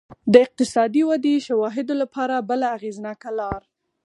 د اقتصادي ودې شواهدو لپاره بله اغېزناکه لار